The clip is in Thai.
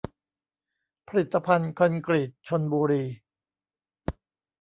ผลิตภัณฑ์คอนกรีตชลบุรี